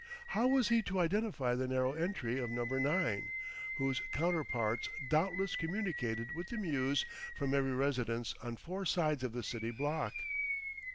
How was he to identify the narrow entry of Number 9, whose counterparts doubtless communicated with the mews from every residence on four sides of the city block?